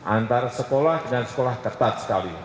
antara sekolah dengan sekolah ketat sekali